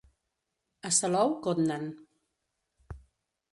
A Salou cotnen.